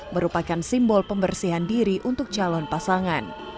merupakan simbol pembersihan diri untuk calon pasangan